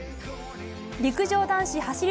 陸上男子走り